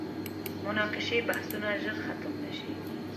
مناقشې بحثونه ژر ختم نه شي.